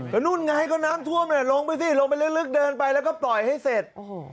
แล้วนู่นไงก็น้ำท่วมเนี่ยลงไปสิลงไปลึกเดินไปแล้วก็ปล่อยให้เสร็จ